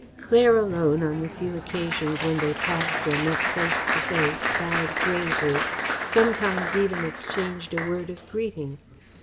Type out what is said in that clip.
Claire alone, on the few occasions when they passed or met face to face, bowed gravely, sometimes even exchanged a word of greeting.